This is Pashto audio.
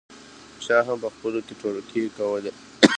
چا هم په خپلو کې ټوکې کولې.